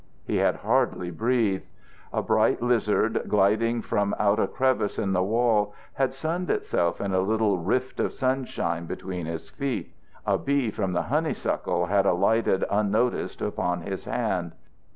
He had hardly breathed. A bright lizard gliding from out a crevice in the wall had sunned itself in a little rift of sunshine between his feet. A bee from the honeysuckles had alighted unnoticed upon his hand.